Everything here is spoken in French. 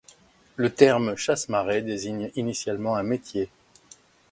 Le terme chasse-marée désigne initialement un métier.